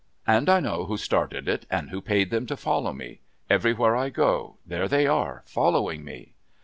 And I know who started it and who paid them to follow me. Everywhere I go, there they are, following me.